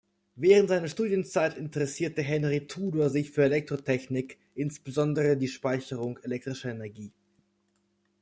Während seiner Studienzeit interessierte Henri Tudor sich für Elektrotechnik, insbesondere die Speicherung elektrischer Energie.